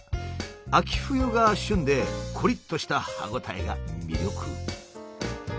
秋冬が旬でコリッとした歯応えが魅力。